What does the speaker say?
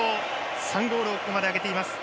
３ゴールをここまで挙げています。